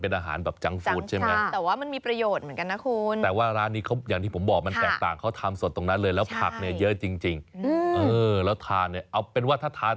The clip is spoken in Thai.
เบอร์เกอร์เนี่ยหลายคนมองว่ามันเป็นอาหาร